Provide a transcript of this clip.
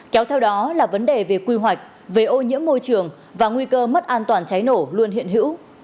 kéo theo đó là vấn đề về quy hoạch về ô nhiễm môi trường và nguy cơ mất an toàn cháy nổ luôn hiện hữu